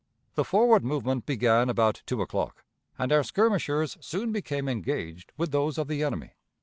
The forward movement began about two o'clock, and our skirmishers soon became engaged with those of the enemy.